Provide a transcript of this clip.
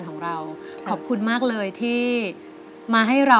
ขอจองในจ่ายของคุณตะกะแตนชลดานั่นเองนะครับ